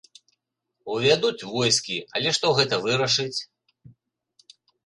Увядуць войскі, але што гэта вырашыць?